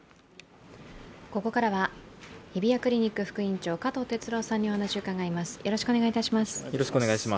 ここからは日比谷クリニック副院長加藤哲朗さんにお話を伺います。